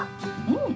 うん。